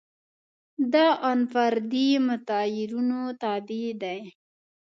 دا ان فردي متغیرونو تابع دي.